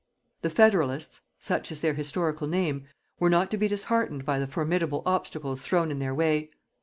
The Federalists such is their historical name were not to be disheartened by the formidable obstacles thrown in their way.